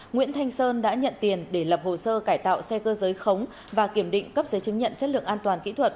nguyễn thanh sơn đã nhận tiền để lập hồ sơ cải tạo xe cơ giới khống và kiểm định cấp giấy chứng nhận chất lượng an toàn kỹ thuật